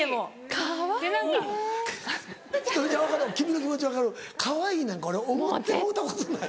かわいい⁉仁美ちゃん君の気持ち分かるかわいいなんか俺思ってもろうたことない。